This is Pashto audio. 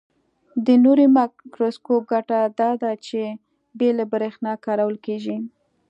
د نوري مایکروسکوپ ګټه داده چې بې له برېښنا کارول کیږي.